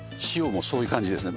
もうそういう感じですね